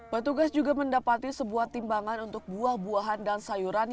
petugas juga mendapati sebuah timbangan untuk buah buahan dan sayuran